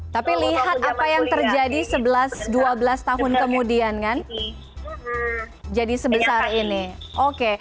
tapi lihat apa yang terjadi sebelas dua belas tahun kemudian kan jadi sebesar ini oke